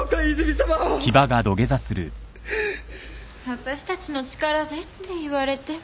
わたしたちの力でって言われても。